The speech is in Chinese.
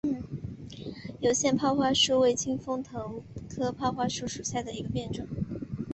有腺泡花树为清风藤科泡花树属下的一个变种。